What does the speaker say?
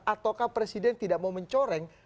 ataukah presiden tidak mau mencoreng